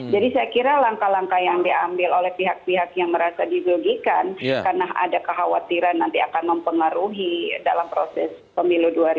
jadi saya kira langkah langkah yang diambil oleh pihak pihak yang merasa didogikan karena ada kekhawatiran nanti akan mempengaruhi dalam proses pemilu dua ribu sembilan belas